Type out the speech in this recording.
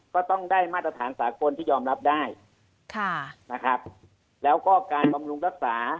ก็ต้องได้มาตรฐานสาคมที่ยอมรับได้แล้วก็การบำรุงรักษา